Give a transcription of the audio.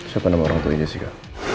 siapa nama orang tuanya jessica